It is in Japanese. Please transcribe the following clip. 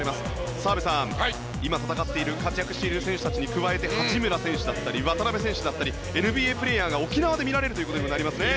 澤部さん、今戦っている活躍している選手たちに加えて八村選手だったり渡邊選手だったりＮＢＡプレーヤーが沖縄で見られることになりますね。